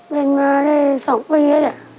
เป็นมาได้๒ปีแล้ว